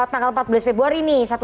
tanggal empat belas februari nih